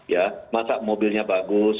memasak mobilnya bagus